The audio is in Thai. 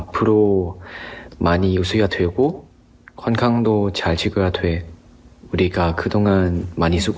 เพราะเราว่ากำลังรักษาเกาหลีเก่งมาก